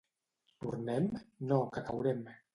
—Tornem? —No, que caurem.